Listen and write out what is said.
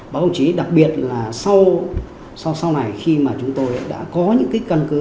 báo công chí đặc biệt là sau sau này khi mà chúng tôi đã có những cân cứ